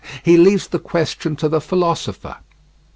He leaves the question to the philosopher.